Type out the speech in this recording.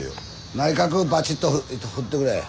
内角バチッと振ってくれ。